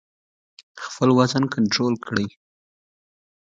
خپل وزن کنټرول کړئ.